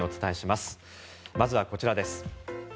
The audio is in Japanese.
まずはこちらです。